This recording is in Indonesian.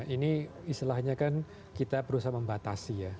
ini istilahnya kan kita berusaha membatasi ya